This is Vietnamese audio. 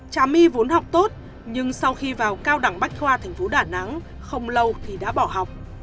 cha my vốn học tốt nhưng sau khi vào cao đẳng bách khoa thành phố đà nẵng không lâu thì đã bỏ học